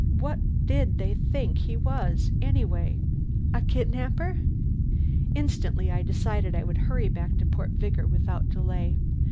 What did they think he was, anyway? A kidnapper? Instantly I decided I would hurry back to Port Vigor without delay.